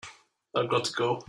I've got to go.